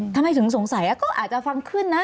ทำไมถึงสงสัยก็อาจจะฟังขึ้นนะ